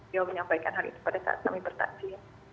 dia menyampaikan hari itu pada saat kami bertaksi